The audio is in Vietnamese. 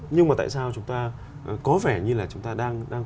nhưng mà tại sao chúng ta có vẻ như là chúng ta đang